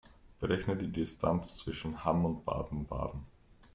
Berechne die Distanz zwischen Hamm und Baden-Baden